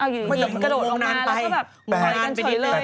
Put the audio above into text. อยู่นี้กะโดดออกมา